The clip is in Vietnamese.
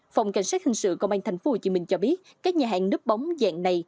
phòng cảnh sát hình sự công an thành phố hồ chí minh cho biết các nhà hàng nước bóng dạng này